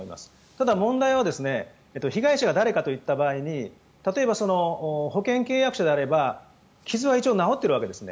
ただ、問題は被害者が誰かといった場合に例えば、保険契約者であれば傷は一応直っているわけです。